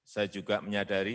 saya juga menyadari